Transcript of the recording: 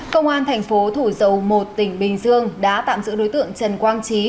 công an thành phố thủ dầu một tỉnh bình dương đã tạm giữ đối tượng trần quang trí